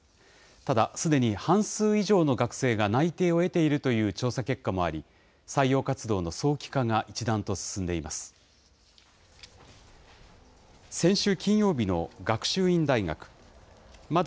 ただ、すでに半数以上の学生が内定を得ているという調査結果もあり、採用活動の早期化が一段と進んでいます。